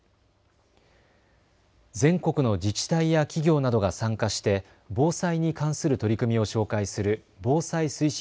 全国の自治体や企業などが参加して防災に関する取り組みを紹介する防災推進